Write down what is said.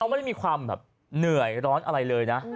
ไม่ได้มีความแบบเหนื่อยร้อนอะไรเลยนะ